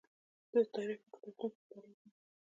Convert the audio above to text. زه د تاریخ په کتابتون کې مطالعه کوم.